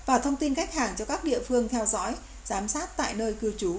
và thông tin khách hàng cho các địa phương theo dõi giám sát tại nơi cư trú